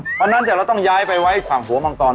เพราะฉะนั้นจะต้องย้ายไว้ขวางหัวมังกร